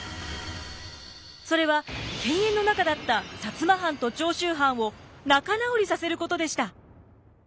それは犬猿の仲だった摩藩と長州藩を仲直りさせることでした。